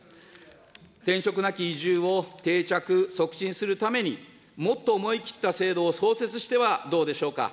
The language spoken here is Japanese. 転職なき移住を定着・促進するために、もっと思い切った制度を創設してはどうでしょうか。